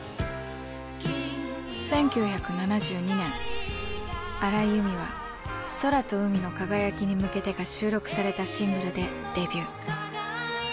１９７２年荒井由実は「空と海の輝きに向けて」が収録されたシングルでデビュー。